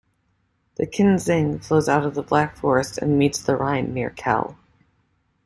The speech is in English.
The Kinzig flows out of the Black Forest and meets the Rhine near Kehl.